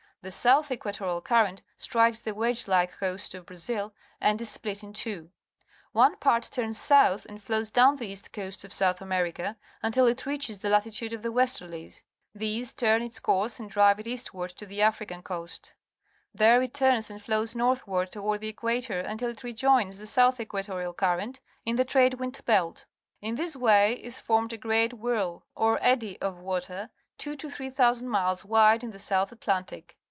'rhe^ South Equatorial Current strikes the wedge like coast of Brazil and is split in two. fifxA/^lM^ One. part turns south and flows down the ' _,2t^KvX. cast coast of South, Anierica until it reach es the latitude of the westerlies. These turn p a its course and drive it eastward to the ^Sm^rJ^^ AfricaiT^coasl. There it turns and flows j^^vXi^^ iioiithward toward the equator until it re j oins the South Equatorial Current in the trade wind be lt. In this way is formed a great whirl, or eddy, of water, two to three thou sand miles wide in the South Atlantic.